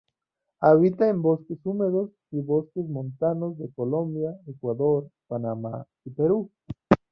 Habita en bosques húmedos y bosques montanos de Colombia, Ecuador, Panamá y Perú.